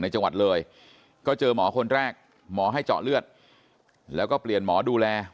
จังหวัดเลยก็เจอหมอคนแรกหมอให้เจาะเลือดแล้วก็เปลี่ยนหมอดูแล